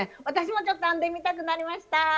私もちょっと編んでみたくなりました。